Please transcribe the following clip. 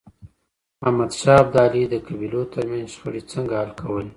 احمد شاه ابدالي د قبیلو ترمنځ شخړې څنګه حل کولې؟